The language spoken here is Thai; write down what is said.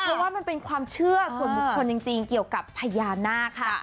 เพราะว่ามันเป็นความเชื่อส่วนบุคคลจริงเกี่ยวกับพญานาคค่ะ